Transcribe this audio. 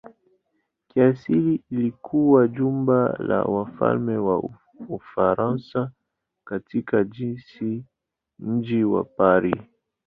Kiasili ilikuwa jumba la wafalme wa Ufaransa katika mji wa Paris.